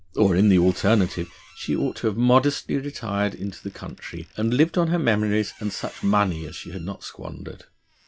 Or, in the alternative, she ought to have modestly retired into the country and lived on her memories and such money as she had not squandered.